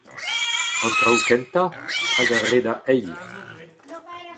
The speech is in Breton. an traoù kentañ hag ar re da eil